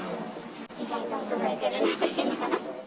意外と衰えてるなと。